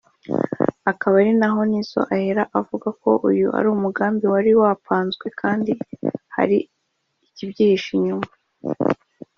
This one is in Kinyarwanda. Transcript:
akaba ari naho Nizzo ahera avuga ko uyu ari umugambi wari wapanzwe kandi hari ikibyihishe inyuma